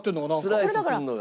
スライスするのが。